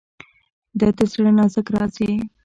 • ته د زړه نازک راز یې.